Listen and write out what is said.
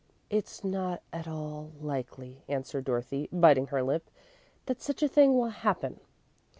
"It's not at all likely," answered Dorothy, biting her lip, "that such a thing will happen."